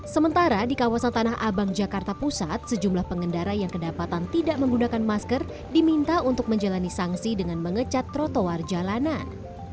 sementara di kawasan tanah abang jakarta pusat sejumlah pengendara yang kedapatan tidak menggunakan masker diminta untuk menjalani sanksi dengan mengecat trotoar jalanan